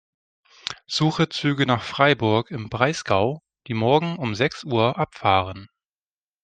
Suche Züge nach Freiburg im Breisgau, die morgen um sechs Uhr abfahren.